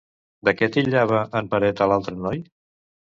De què titllava en Peret a l'altre noi?